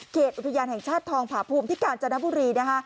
อุทยานแห่งชาติทองผาภูมิที่กาญจนบุรีนะคะ